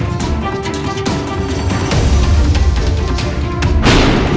ibu pasti kena ajar